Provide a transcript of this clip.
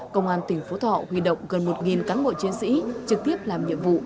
công an tỉnh phú thọ huy động gần một cán bộ chiến sĩ trực tiếp làm nhiệm vụ